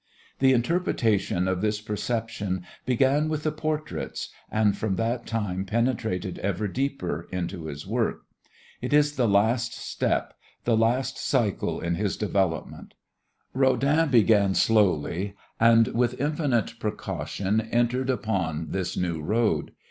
The interpretation of this perception began with the portraits, and from that time penetrated ever deeper into his work. It is the last step, the last cycle in his development. Rodin began slowly and with infinite precaution entered upon this new road.